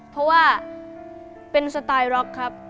เพราะว่าเป็นสไตล์ร็อกครับ